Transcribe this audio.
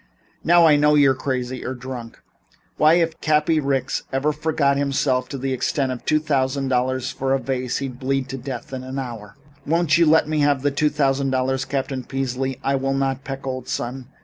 "Now I know you're crazy or drunk. Why if Cappy Ricks ever forgot himself to the extent of paying two hundred dollars for a vase he'd bleed to death in an hour." "Won't you let me have two thousand dollars, Captain Peasley?" "I will not, Peck, old son.